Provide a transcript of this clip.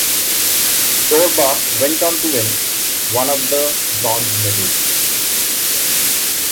Torba went on to win one of the bronze medals.